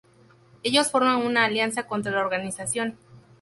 Ellos forman una alianza contra la organización.